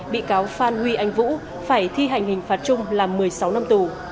bị cáo phan huy anh vũ phải thi hành hình phạt chung là một mươi sáu năm tù